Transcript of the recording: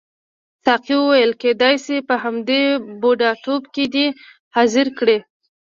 ساقي وویل کیدای شي په همدې بوډاتوب کې دې احضار کړي.